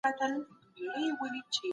ښوونکی هڅه کوي چې زدهکوونکي خلاق واوسي.